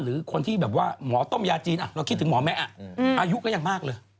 หรือคนที่แบบว่าหมอต้มยาจีนเราคิดถึงหมอแม็กอายุก็ยังมากเลย